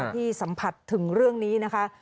ที่สัมผัสถึงเรื่องนี้นะคะ